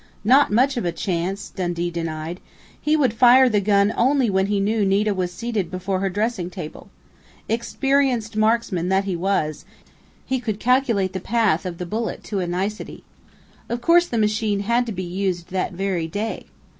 "Not much of a chance!" Dundee denied. "He would fire the gun only when he knew Nita was seated before her dressing table. Experienced marksman that he was, he could calculate the path of the bullet to a nicety. Of course the machine had to be used that very day.